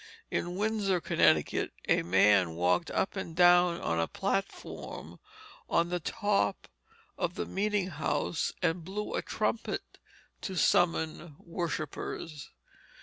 In Windsor, Connecticut, a man walked up and down on a platform on the top of the meeting house and blew a trumpet to summon worshippers.